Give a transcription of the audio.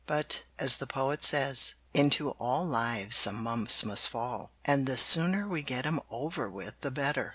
But, as the Poet says, "Into all lives some mumps must fall, "and the sooner we get 'em over with the better.